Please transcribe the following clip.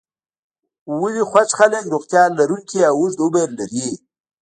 ولې خوښ خلک روغتیا لرونکی او اوږد عمر لري.